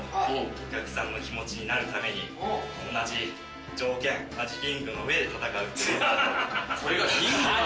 お客さんの気持ちになるために、同じ条件、同じリングの上で戦うというのがモットー。